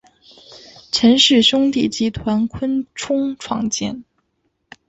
陈氏兄弟集团昆仲创建。